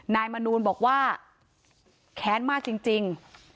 มนูลบอกว่าแค้นมากจริง